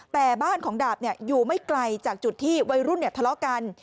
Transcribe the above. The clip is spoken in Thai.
แต่บ้านของดาบอยู่ไม่ไกลจากจุดที่วัยรุ่นทะเลาะกัน